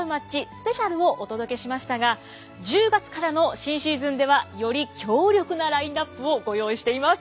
スペシャルをお届けしましたが１０月からの新シーズンではより強力なラインナップをご用意しています。